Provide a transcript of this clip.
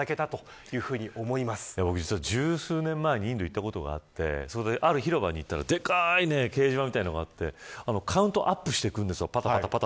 １０数年前にインドに行ったことがあってある広場に行ったら大きい掲示板があってカウントアップしていくんです。